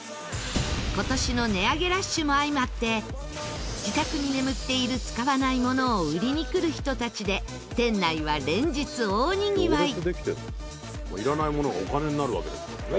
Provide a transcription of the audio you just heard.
今年の値上げラッシュも相まって自宅に眠っている使わないものを売りに来る人たちで店内は連日大にぎわい。